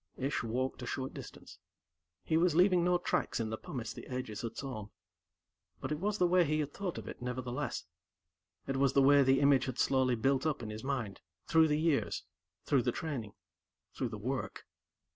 Ish walked a short distance. He was leaving no tracks in the pumice the ages had sown. But it was the way he had thought of it, nevertheless. It was the way the image had slowly built up in his mind, through the years, through the training, through the work.